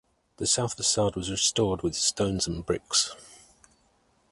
The south facade was restored with stone and bricks.